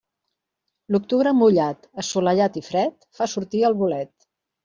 L'octubre mullat, assolellat i fred fa sortir el bolet.